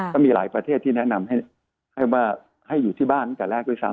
ก็มีหลายประเทศที่แนะนำให้อยู่ที่บ้านกันแรกทีซ้ำ